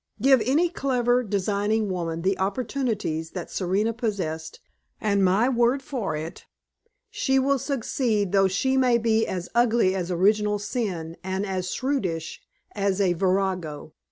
Give any clever, designing woman the opportunities that Serena possessed, and my word for it, she will succeed though she be as ugly as original sin and as shrewish as a virago.